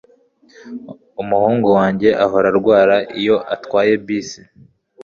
Umuhungu wanjye ahora arwara iyo atwaye bisi.